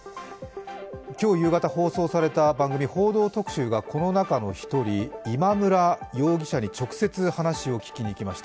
今日夕方放送された番組、「報道特集」がこの中の１人、今村容疑者に直接話を聞きに行きました。